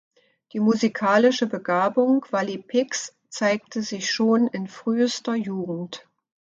Die musikalische Begabung Vally Picks zeigte sich schon in frühester Jugend.